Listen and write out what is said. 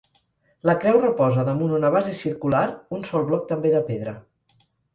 La creu reposa damunt una base circular, un sol bloc també de pedra.